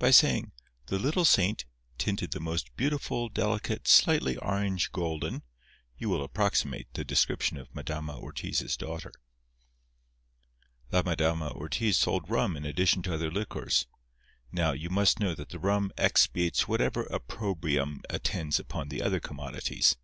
By saying "The little saint, tinted the most beautiful delicate slightly orange golden," you will approximate the description of Madama Ortiz's daughter. La Madama Ortiz sold rum in addition to other liquors. Now, you must know that the rum expiates whatever opprobrium attends upon the other commodities.